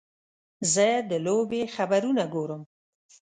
زه د لوبې خبرونه ګورم.